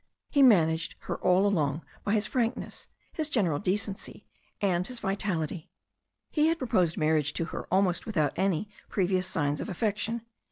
He man aged her all along by his frankness, his general decency and his vitality. He had proposed marriage to her almost without any pre vious signs of affection.